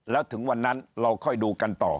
แล้วถึงวันนั้นเราค่อยดูกันต่อ